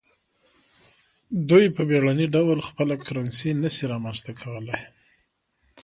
دوی په بیړني ډول خپله کرنسي نشي رامنځته کولای.